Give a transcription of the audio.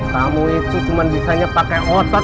tamu itu cuma bisanya pakai otot